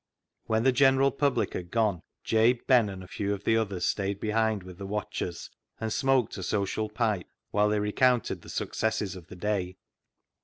When the general public had gone, Jabe, Ben, and a few of the others stayed behind with the watchers, and smoked a social pipe whilst they recounted the successes of the day.